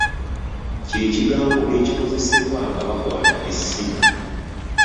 Kye kigambo ekikozesebwa nga bakwata essimu.